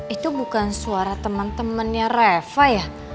itu bukan suara teman temannya reva ya